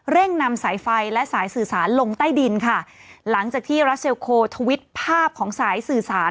นำสายไฟและสายสื่อสารลงใต้ดินค่ะหลังจากที่รัสเซลโคทวิตภาพของสายสื่อสาร